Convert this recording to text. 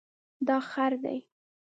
دا خړ دی